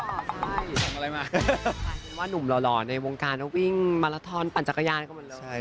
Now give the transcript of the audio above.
ถ้าเป็นว่านุ่มหล่อในวงการแล้ววิ่งมาลาทอนปั่นจักรยานก็มันเลย